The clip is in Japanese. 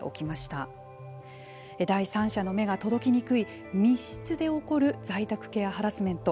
第三者の目が届きにくい密室で起こる在宅ケアハラスメント。